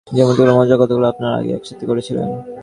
যে মুহূর্তগুলো, মজার কাজগুলো আপনারা আগে একসাথে করেছিলেন।